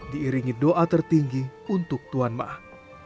diiringi doa tertinggi untuk tuan mah